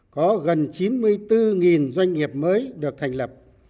có gần chín mươi bốn doanh nghiệp mới được thành lập